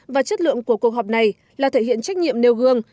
và chất lượng của cuộc họp này là thể hiện trách nhiệm nêu gương